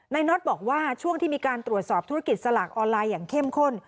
น็อตบอกว่าช่วงที่มีการตรวจสอบธุรกิจสลากออนไลน์อย่างเข้มข้น